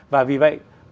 và vì vậy